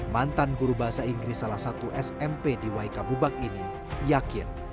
mantan guru bahasa inggris salah satu smp di waikabubak ini yakin